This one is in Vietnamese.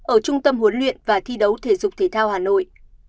ở trung tâm huấn luyện và thi đấu thể dục thể thao hà nội